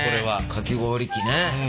かき氷機ね。